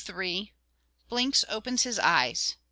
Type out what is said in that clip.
_Blinks opens his Eyes.